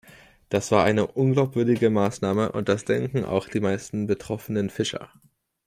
Das war eine unglaubwürdige Maßnahme, und das denken auch die meisten betroffenen Fischer.